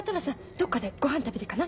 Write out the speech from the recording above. どっかでごはん食べてかない？